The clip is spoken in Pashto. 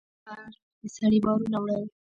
خر د سړي بارونه وړل.